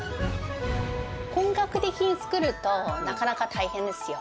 本格的に作ると、なかなか大変ですよ。